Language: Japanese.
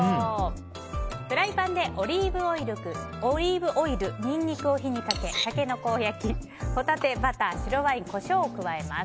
フライパンで、オリーブオイルニンニクを火にかけタケノコを焼きホタテ、バター、白ワインコショウを加えます。